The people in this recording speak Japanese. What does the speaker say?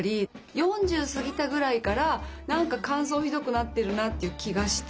４０過ぎたぐらいから何か乾燥ひどくなってるなという気がして。